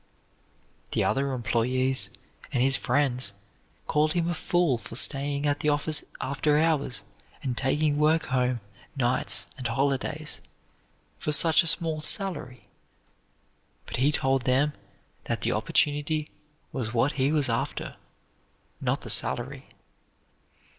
The other employees and his friends called him a fool for staying at the office after hours and taking work home nights and holidays, for such a small salary; but he told them that the opportunity was what he was after, not the salary.